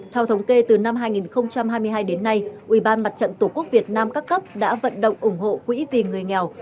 theo thống kê từ năm hai nghìn hai mươi hai đến nay ubnd tqvn các cấp đã vận động ủng hộ quỹ vì người nghèo